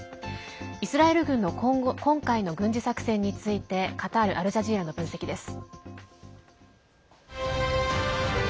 イスラエル軍の今回の軍事作戦についてカタール・アルジャジーラの分析です。